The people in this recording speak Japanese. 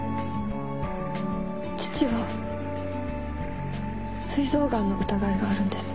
父は膵臓がんの疑いがあるんです。